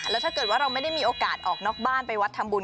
แล้วถ้าเกิดว่าเราไม่ได้มีโอกาสออกนอกบ้านไปวัดทำบุญ